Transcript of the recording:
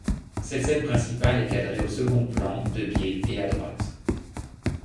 Cette scène principale est cadrée au second plan, de biais et à droite.